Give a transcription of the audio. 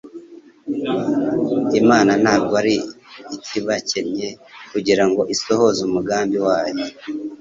Imana ntabwo yari ikibakencye kugira ngo isohoze umugambi wayo.